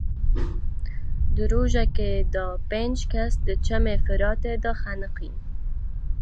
Di rojekê de pênc kes di Çemê Firatê de xeniqîn.